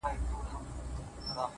اخلاق د شهرت تر نوم مخکې ځلېږي.!